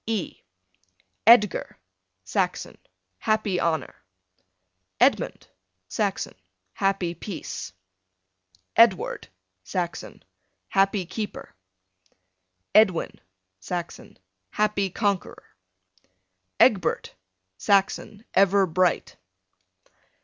E Edgar, Saxon, happy honor. Edmund, Saxon, happy peace. Edward, Saxon, happy keeper. Edwin, Saxon, happy conqueror. Egbert, Saxon, ever bright.